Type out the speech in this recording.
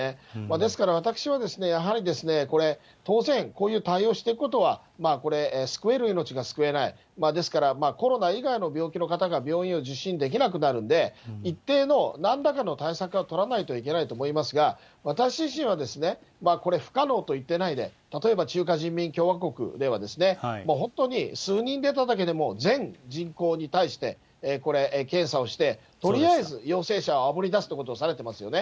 ですから、私はやはりですね、これ、当然、こういう対応をしていくことは、これ、救える命が救えない、ですから、コロナ以外の病気の方が病院を受診できなくなるんで、一定の、なんらかの対策は取らないといけないと思いますが、私自身はですね、これ、不可能と言っていないで、例えば中華人民共和国ではですね、本当に数人出ただけでも、全人口に対して、これ検査をして、とりあえず陽性者をあぶり出すってことをされてますよね。